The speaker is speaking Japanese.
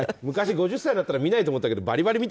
昔、５０歳になったら見ないと思ったけどほら！